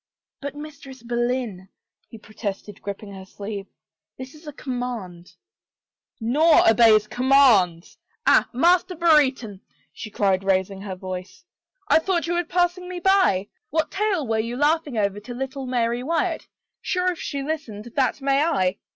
" But Mistress Boleyn," he protested, gripping her sleeve, " this is a conunand —"" Nor, obeys such commands. ... Ah, Master Brere ton,'^ she. cried, raising her voice. " I thought you were passing me by. What tale were you laughing over to little Mary Wyatt ? Sure, if she listened, that may I